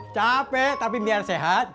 capek tapi biar sehat